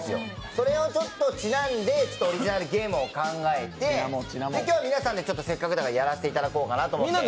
それにちなんでオリジナルゲームを考えて皆さんでせっかくだからやらせてもらおうかと思って。